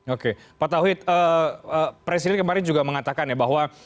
oke pak tauhid presiden kemarin juga mengatakan ya bahwa